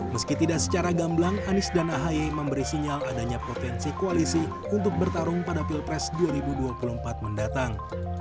meski tidak secara gamblang anies dan ahy memberi sinyal adanya potensi koalisi untuk bertarung pada pilpres dua ribu dua puluh empat mendatang